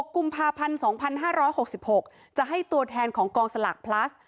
กุมภาพันธ์๒๕๖๖จะให้ตัวแทนของกองสลากพลัส